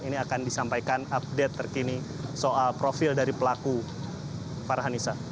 ini akan disampaikan update terkini soal profil dari pelaku farhanisa